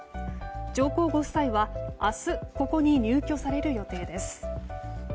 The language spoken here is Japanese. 上皇ご夫妻は明日ここに入居される予定です。